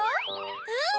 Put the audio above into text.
うん！